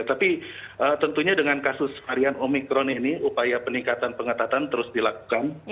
tapi tentunya dengan kasus varian omikron ini upaya peningkatan pengetatan terus dilakukan